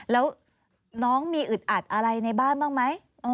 แล้วน้องมีอึดอัดอะไรในบ้านบ้างไหม